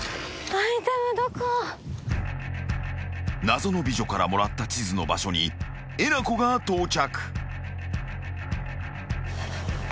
［謎の美女からもらった地図の場所にえなこが到着］